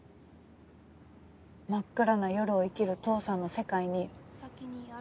真っ暗な夜を生きる父さんの世界に届くならって。